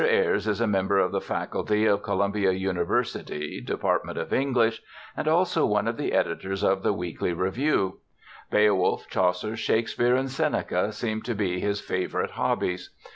Ayres is a member of the faculty of Columbia University (Department of English) and also one of the editors of the Weekly Review. Beowulf, Chaucer, Shakespeare and Seneca seem to be his favorite hobbies.